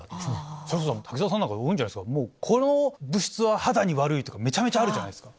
それこそ滝沢さんなんか多いんじゃないですか？とかめちゃめちゃあるじゃないですか。